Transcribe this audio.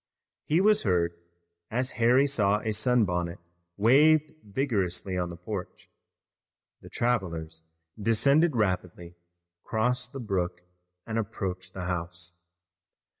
He was heard, as Harry saw a sunbonnet waved vigorously on the porch. The travelers descended rapidly, crossed the brook, and approached the house.